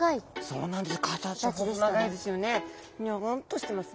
そうなんです。